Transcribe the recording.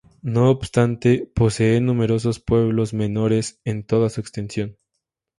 No obstante posee numerosos pueblos menores en toda su extensión.